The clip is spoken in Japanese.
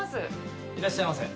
いらっしゃいませ。